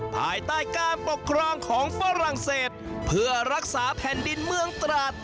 ภายใต้การปกครองของฝรั่งเศสเพื่อรักษาแผ่นดินเมืองตราด